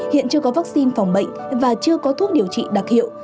hiện chưa có vaccine phòng bệnh và chưa có thuốc điều trị đặc hiệu